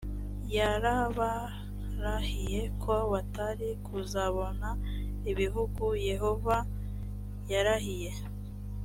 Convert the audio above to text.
yarabarahiye ko batari kuzabona igihugud yehova yarahiye